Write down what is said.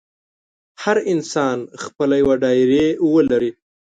هر انسان خپله یوه ډایري ولري.